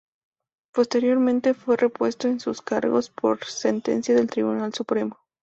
Posteriormente fue repuesto en sus cargos por sentencia del Tribunal Supremo.